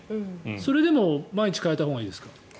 それでも毎日替えたほうがいいですか？